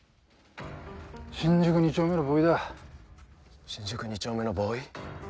新宿２丁目のボーイだ新宿２丁目のボーイ？